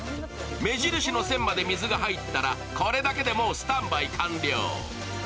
目印の線まで水が入ったら、これだけでスタンバイ完了。